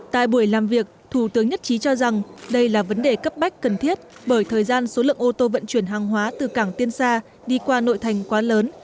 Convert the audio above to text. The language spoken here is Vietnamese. tại buổi làm việc thủ tướng nhất trí cho rằng đây là vấn đề cấp bách cần thiết bởi thời gian số lượng ô tô vận chuyển hàng hóa từ cảng tiên sa đi qua nội thành quá lớn